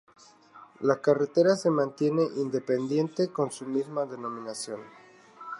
La carretera se mantiene independiente con su misma denominación.